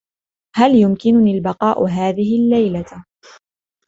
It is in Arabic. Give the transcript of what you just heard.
هل يمكنني البقاء هذه الليلة ؟